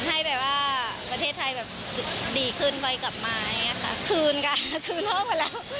ให้แบบว่าประเทศไทยดีขึ้นไว้กลับมาคืนกันคืนล่อไปแล้ว